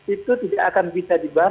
itu tidak akan bisa dibangun